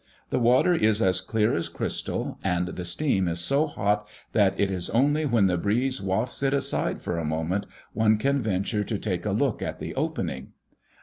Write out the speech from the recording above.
The water is as clear as crystal, and the steam is so hot that it is only when the breeze wafts it aside for a moment one can venture to take a look at the opening."